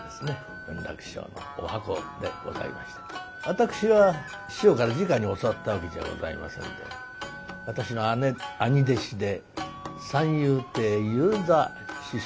私は師匠からじかに教わったわけじゃございませんで私の兄弟子で三遊亭遊三師匠というのがいらっしゃいますな。